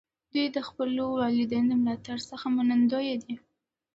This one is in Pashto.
ده د خپلو والدینو د ملاتړ څخه منندوی دی.